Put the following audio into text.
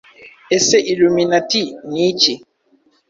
Ese Illuminati ni iki